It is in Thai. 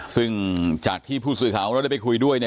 ซึ่งจากที่ผู้สื่อข่าวของเราได้ไปคุยด้วย